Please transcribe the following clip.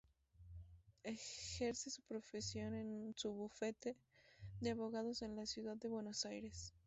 Ejerce su profesión en su bufete de Abogados en la Ciudad de Buenos Aires.